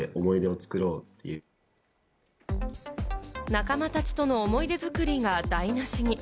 仲間たちとの思い出作りが台無しに。